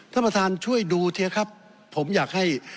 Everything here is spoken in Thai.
ท่านประธานช่วยดูเทียครับผมอยากให้